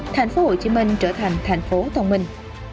thành phố hồ chí minh trở thành thành phố thông minh